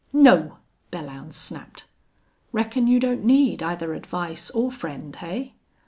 "No," Belllounds snapped. "Reckon you don't need either advice or friend, hey?"